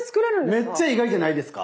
めっちゃ意外じゃないですか？